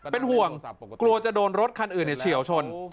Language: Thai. เป็นห่วงกลัวจะโดนรถคันอื่นเฉียวชน